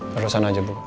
perlu sana aja bu bos